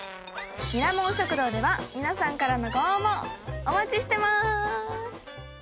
ミラモン食堂では皆さんからのご応募お待ちしてまーす。